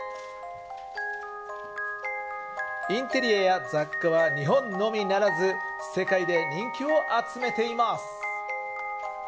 インテリアや雑貨は日本のみならず世界で人気を集めています。